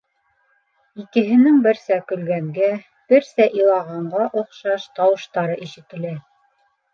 Икеһенең берсә көлгәнгә, берсә илағанға оҡшаш тауыштары ишетелә.